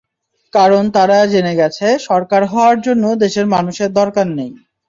কারণ তারা জেনে গেছে, সরকার হওয়ার জন্য দেশের মানুষের দরকার নেই।